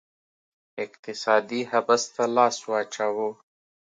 اقتصادي حبس ته لاس واچاوه